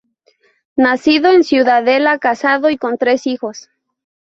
Nacido en Ciudadela, casado y con tres hijos.